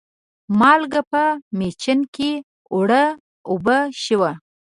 مالګه په مېچن کې اوړه و اوبه شوه.